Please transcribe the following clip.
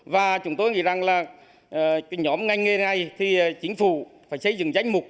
và chúng tôi nghĩ rằng là cái nhóm ngành nghề này thì chính phủ phải xây dựng danh mục